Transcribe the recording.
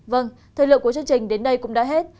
vâng thời lượng của chương trình đến đây cũng đã hết